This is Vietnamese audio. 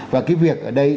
và cái việc ở đây